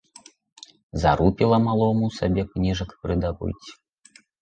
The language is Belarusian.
Зарупіла малому сабе кніжак прыдабыць.